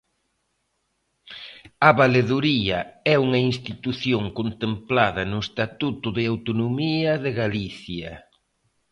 A Valedoría é unha institución contemplada no Estatuto de autonomía de Galicia.